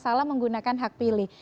salah menggunakan hak pilih